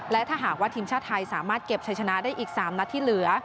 และถ้าหากว่าทีมชาติไทยสามารถเก็บชัยชนะได้อีก๓นัดที่เหลือ